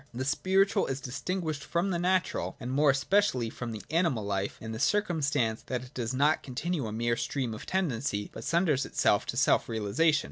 The spiritual is distinguished from the natural, and more especially from the animal, life, in the circum stance that it does not continue a mere stream of tendency, but sunders itself to self realisation.